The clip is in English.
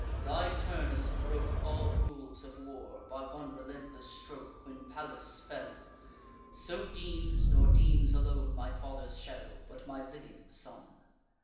Thy Turnus broke All rules of war by one relentless stroke, When Pallas fell: so deems, nor deems alone My father's shadow, but my living son."